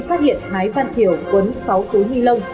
phát hiện thái phan triều quấn sáu cú mi lông